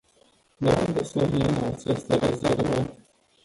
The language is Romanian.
De unde să vină aceste rezerve?